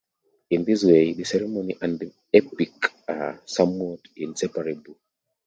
In this way, the ceremony and the epic are somewhat inseparable.